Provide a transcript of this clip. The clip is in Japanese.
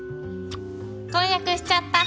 婚約しちゃった。